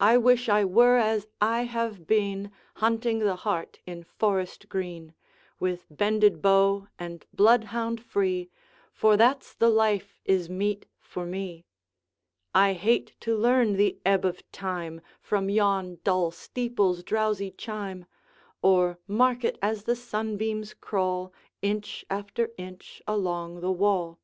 I wish I were as I have been, Hunting the hart in forest green, With bended bow and bloodhound free, For that's the life is meet for me. I hate to learn the ebb of time From yon dull steeple's drowsy chime, Or mark it as the sunbeams crawl, Inch after inch, along the wall.